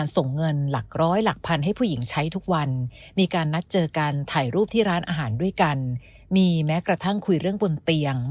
ซึ่งดูจากการคุย